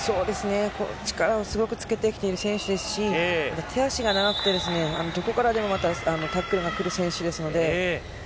力をすごくつけている選手ですし、足がすごく長くて、どこからでもタックルが来る選手です。